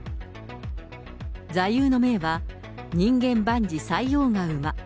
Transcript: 座右の銘は、人間万事塞翁が馬。